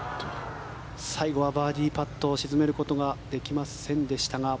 最後はバーディーパットを沈めることができませんでしたが。